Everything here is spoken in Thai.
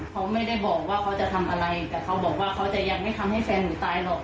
เขาไม่ได้บอกว่าเขาจะทำอะไรแต่เขาบอกว่าเขาจะยังไม่ทำให้แฟนหนูตายหรอก